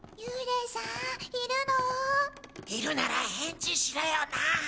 小声いるなら返事しろよな。